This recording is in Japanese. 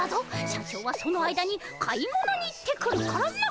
社長はその間に買い物に行ってくるからな。